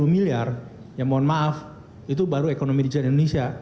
satu ratus tiga puluh miliar ya mohon maaf itu baru ekonomi digital di indonesia